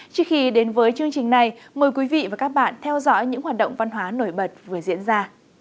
trước khi đến với chương trình này mời quý vị và các bạn theo dõi những hoạt động văn hóa nổi bật vừa diễn ra